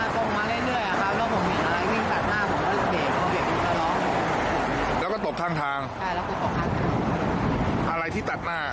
เพราะว่าเขาไม่เห็นการแห่งฝันเหมือนกัน